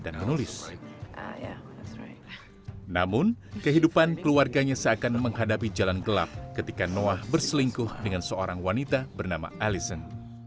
namun kehidupan keluarganya seakan menghadapi jalan gelap ketika noah berselingkuh dengan seorang wanita bernama alisen